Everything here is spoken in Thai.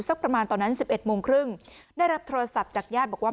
ประมาณตอนนั้น๑๑โมงครึ่งได้รับโทรศัพท์จากญาติบอกว่า